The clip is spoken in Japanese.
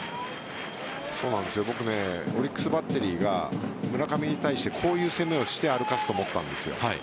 僕、オリックスバッテリーが村上に対してこういう攻めをして歩かせると思ったんです。